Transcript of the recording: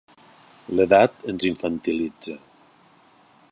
L'edat ens infantilitza.